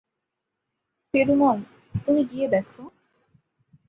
পেরুমল, তুমি গিয়ে দেখো।